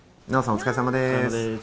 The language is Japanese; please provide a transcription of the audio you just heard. お疲れさまです。